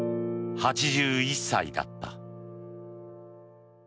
８１歳だった。